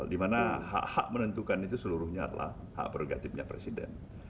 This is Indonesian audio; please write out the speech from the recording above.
dimana hak hak menentukan itu seluruhnya adalah hak prerogatifnya presiden